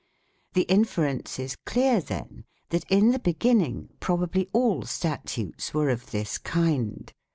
The inference is clear, then, that in the beginning, probably all statutes were of this kind.